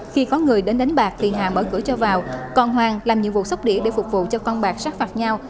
khi có người đến đánh bạc thì hà mở cửa cho vào còn hoàng làm nhiệm vụ sắp đĩa để phục vụ cho con bạc sát phạt nhau